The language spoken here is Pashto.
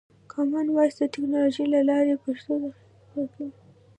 کامن وایس د ټکنالوژۍ له لارې پښتو ته خدمت ورکوي.